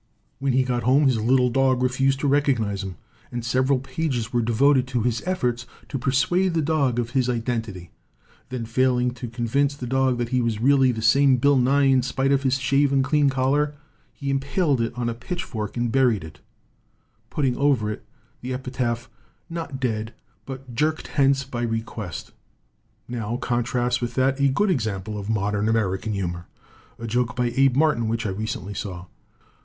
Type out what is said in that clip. When he got home his little dog refused to recog nize him, and several pages were devoted to his efforts to persuade the dog of his identity. Then, failing to convince the dog that he was really the same Bill Nye in spite of his shave and clean collar, he impaled it on a pitchfork and buried it, putting over it the epitaph, 'Not dead, but jerked hence by request/ "Now contrast with that a good example of modern American humor a joke by Abe Martin which I recently saw.